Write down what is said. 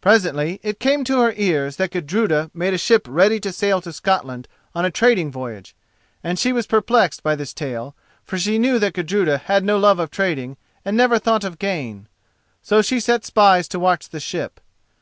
Presently it came to her ears that Gudruda made a ship ready to sail to Scotland on a trading voyage, and she was perplexed by this tale, for she knew that Gudruda had no love of trading and never thought of gain. So she set spies to watch the ship.